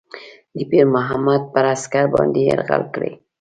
د پیرمحمد پر عسکرو باندي یرغل کړی.